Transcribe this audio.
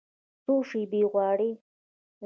څو شیبې غواړي